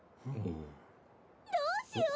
・どうしよう！